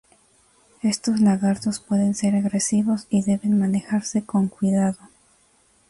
Estos lagartos pueden ser agresivos y deben manejarse con cuidado.